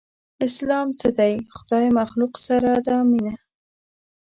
اسلام څه دی؟ خدای مخلوق سره ده مينه